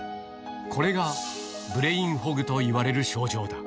これがブレインフォグといわれる症状だ。